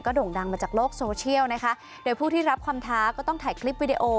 โด่งดังมาจากโลกโซเชียลนะคะโดยผู้ที่รับคำท้าก็ต้องถ่ายคลิปวิดีโอ